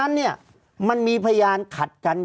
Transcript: ภารกิจสรรค์ภารกิจสรรค์